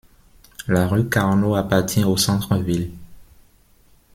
La rue Carnot appartient au Centre Ville.